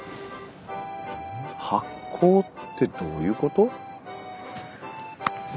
発酵ってどういうこと？